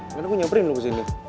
makanya gue nyamperin lo ke sini